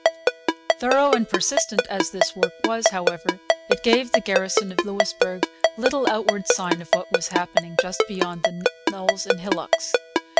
Thorough and persistent as this work was, however, it gave the garrison of Louisbourg little outward sign of what was happening just beyond the knolls and hillocks.